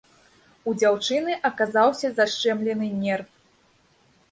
У дзяўчыны аказаўся зашчэмлены нерв.